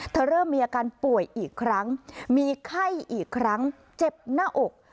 เริ่มมีอาการป่วยอีกครั้งมีไข้อีกครั้งเจ็บหน้าอก